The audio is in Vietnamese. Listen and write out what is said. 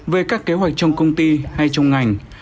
về các kế hoạch trong công ty hay trong ngành